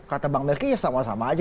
kata bang melki ya sama sama aja